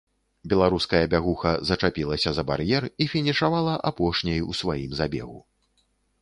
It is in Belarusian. Беларуская бягуха зачапілася за бар'ер і фінішавала апошняй у сваім забегу.